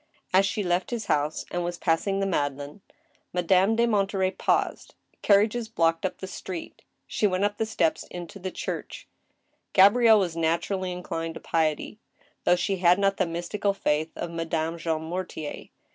As she left his house and was passing the Madeleine, Madame de Monterey paused. Carriages blocked up the street. She went up the steps into the church. Gabrielle was naturally inclined to piety, though she had not the mystical faith of Madame Jean Mortier.